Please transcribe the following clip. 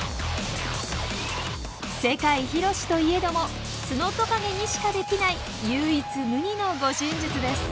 世界広しといえどもツノトカゲにしかできない唯一無二の護身術です。